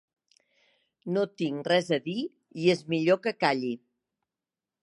No tinc res a dir i és millor que calli.